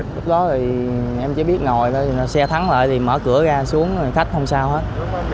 lúc đó thì em chỉ biết ngồi thôi xe thắng lại thì mở cửa ra xuống hành khách không sao hết